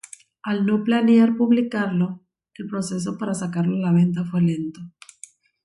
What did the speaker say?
Al no planear publicarlo, el proceso para sacarlo a la venta fue lento.